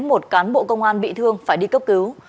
một cán bộ công an bị thương phải đi cấp cứu